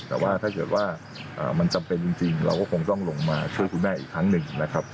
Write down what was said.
แต่ว่าถ้าเกิดว่ามันจำเป็นจริงเราก็คงต้องลงมาช่วยคุณแม่อีกครั้งหนึ่งนะครับ